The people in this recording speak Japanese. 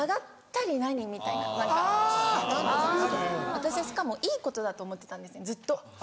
私はしかもいいことだと思ってたんですずっと。